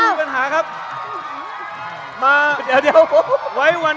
คุณจิลายุเขาบอกว่ามันควรทำงานร่วมกัน